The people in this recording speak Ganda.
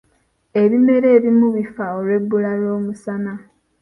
Ebimera ebimu bifa olw'ebbula ly'omusana.